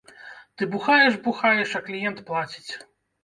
Ты бухаеш-бухаеш, а кліент плаціць.